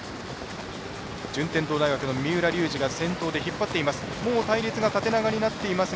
順天堂大学の三浦龍司が先頭で引っ張っています。